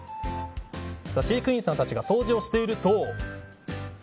飼育員さんたちが掃除をしていると。